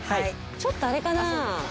ちょっとあれかなぁ。